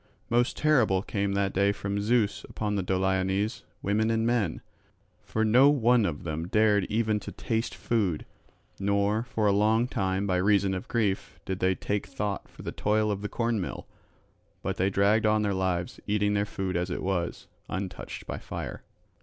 Most terrible came that day from Zeus upon the Doliones, women and men; for no one of them dared even to taste food, nor for a long time by reason of grief did they take thought for the toil of the cornmill, but they dragged on their lives eating their food as it was, untouched by fire.